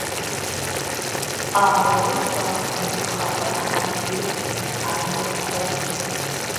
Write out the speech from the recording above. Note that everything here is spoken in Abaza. Аоборотква анпхара хӏаргьи хгӏанарпхун.